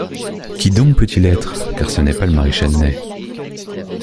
Qui donc peut-il être? car ce n’est pas le maréchal Ney.